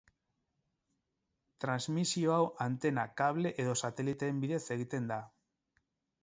Transmisio hau antena, kable edo sateliteen bidez egiten da.